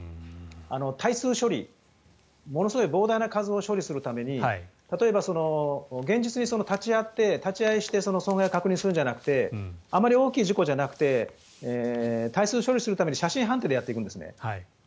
大数処理、ものすごい膨大な数を処理するために例えば、現実に立ち合いをして損害を確認するんじゃなくてあまり大きい事故じゃなくて大数処理するために写真判定でやっていくんですね。